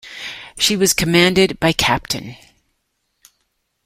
She was commanded by Capt.